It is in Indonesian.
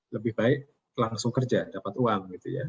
lebih baik langsung kerja dapat uang